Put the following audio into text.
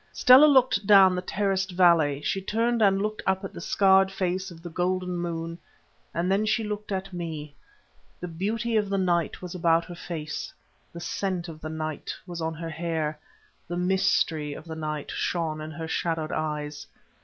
Stella looked down the terraced valley; she turned and looked up at the scarred face of the golden moon, and then she looked at me. The beauty of the night was about her face, the scent of the night was on her hair, the mystery of the night shone in her shadowed eyes.